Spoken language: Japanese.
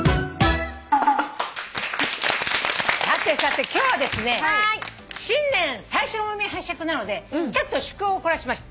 さてさて今日はですね新年最初の「お耳拝借」なのでちょっと趣向を凝らしました。